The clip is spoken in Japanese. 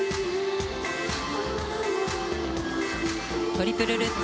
トリプルルッツ。